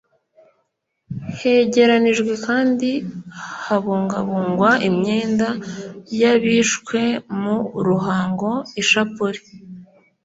hegeranijwe kandi habungabungwa imyenda y abishwe mu ruhango ishapule